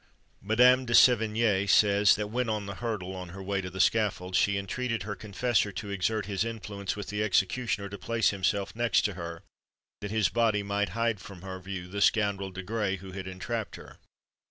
Madame de Sevigné says, that when on the hurdle, on her way to the scaffold, she entreated her confessor to exert his influence with the executioner to place himself next to her, that his body might hide from her view "that scoundrel Desgrais, who had entrapped her."